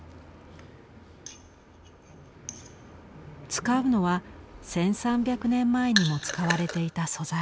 使うのは１，３００年前にも使われていた素材。